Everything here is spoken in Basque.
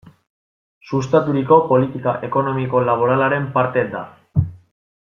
Sustaturiko politika ekonomiko-laboralaren parte da.